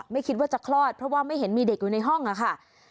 ไม่คิดว่าจะคลอดเพราะว่าไม่เห็นมีเด็กอยู่ในห้องค่ะ